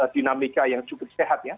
dinamika yang cukup sehat ya